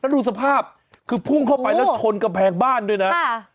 ดูสภาพคือพุ่งเข้าไปแล้วชนกำแพงบ้านด้วยนะ